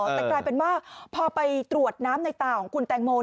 แต่กลายเป็นว่าพอไปตรวจน้ำในตาของคุณแตงโม